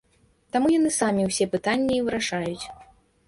Таму яны самі ўсе пытанні і вырашаюць.